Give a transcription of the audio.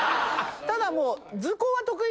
ただもう。